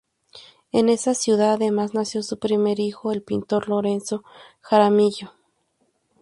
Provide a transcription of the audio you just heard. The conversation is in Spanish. En esta ciudad, además, nació su primer hijo, el pintor Lorenzo Jaramillo.